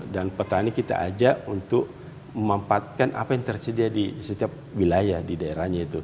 dan petani kita ajak untuk memanfaatkan apa yang tersedia di setiap wilayah di daerahnya itu